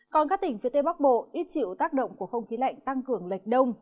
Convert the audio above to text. còn các tỉnh phía tây bắc bộ ít chịu tác động của không khí lạnh tăng cường lệch đông